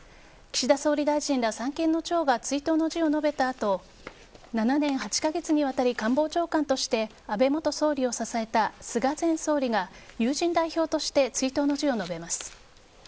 岸田総理大臣ら三権の長が追悼の辞を述べたあと７年８か月にわたり官房長官として安倍元総理を支えた菅前総理が友人代表として追悼の辞を述べます。